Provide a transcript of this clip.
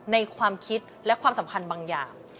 ในความคิดและความสัมพันธ์บางอย่าง